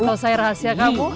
tahu saya rahasia kamu